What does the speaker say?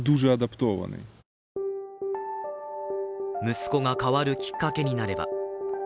息子が変わるきっかけになれば。